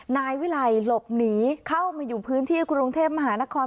นายวิไลหลบหนีเข้ามาอยู่พื้นที่กรุงเทพมหานคร